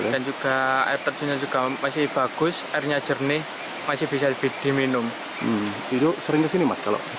dan juga air terjunnya masih bagus airnya jernih dan bisa jadi minum